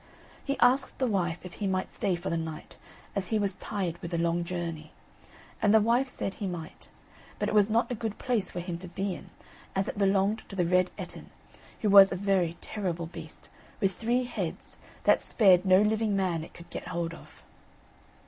He asked the wife if he might stay for the night, as he was tired with a long journey; and the wife said he might, but it was not a good place for him to be in, as it belonged to the Red Ettin, who was a very terrible beast, with three heads, that spared no living man it could get hold of.